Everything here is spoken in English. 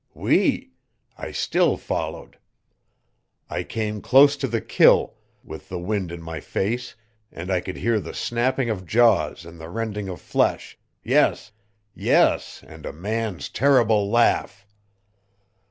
Oui. I still followed. I came close to the kill, with the wind in my face, and I could hear the snapping of jaws and the rending of flesh yes yes AND A MAN'S TERRIBLE LAUGH!